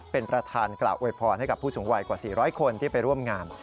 เป็นประธานกล่าวอวยพรให้กับผู้สูงวัยกว่า๔๐๐คนที่ไปร่วมงาน